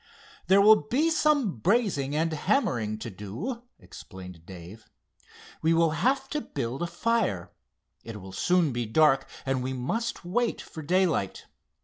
"There will be some brazing and hammering to do," explained Dave. "We will have to build a fire. It will soon be dark and we must wait for daylight.